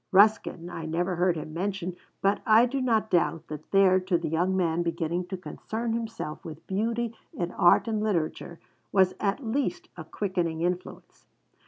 Ruskin, I never heard him mention, but I do not doubt that there, to the young man beginning to concern himself with beauty in art and literature, was at least a quickening influence.